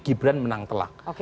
gibran menang telak